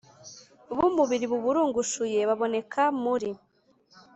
Bumubiri buburungushuye baboneka muri